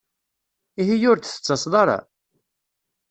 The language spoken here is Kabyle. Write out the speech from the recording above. Ihi ur d-tettaseḍ ara?